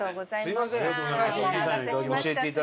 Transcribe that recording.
すみません。